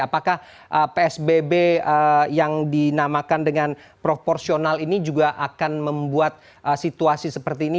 apakah psbb yang dinamakan dengan proporsional ini juga akan membuat situasi seperti ini